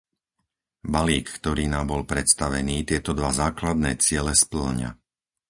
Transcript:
Balík, ktorý nám bol predstavený, tieto dva základné ciele spĺňa.